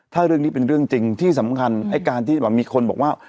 ถ้าเรื่องนี้เป็นเรื่องจริงที่สำคัญไอ้การที่แบบมีคนบอกว่า